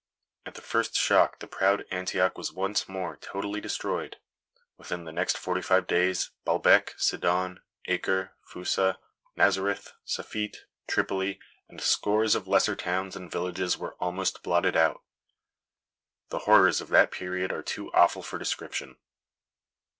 At the first shock the proud Antioch was once more totally destroyed. Within the next forty five days Baalbec, Sidon, Acre, Foussa, Nazareth, Safit, Tripoli, and scores of lesser towns and villages were almost blotted out. The horrors of that period are too awful for description.